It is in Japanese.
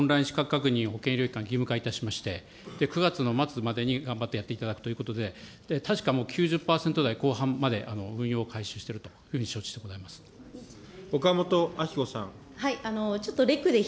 この４月にオンライン保険医療機関に義務化いたしまして、９月の末までに頑張ってやっていただくということで、確かもう９０％台後半まで運用を開始しているというふうに承知を岡本あき子さん。